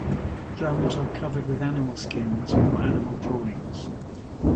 Drums are covered with animal skins or animal drawings.